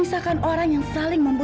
memisahkan orang yang saling berdua